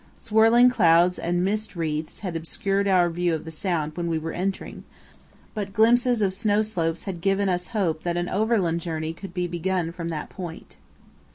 Swirling clouds and mist wreaths had obscured our view of the sound when we were entering, but glimpses of snow slopes had given us hope that an overland journey could be begun from that point.